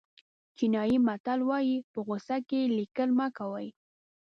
چینایي متل وایي په غوسه کې لیکل مه کوئ.